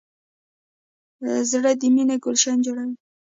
زړه د مینې ګلشن جوړوي.